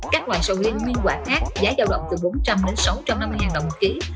các loại sầu riêng nguyên quả khác giá giao động từ bốn trăm linh sáu trăm năm mươi đồng một kg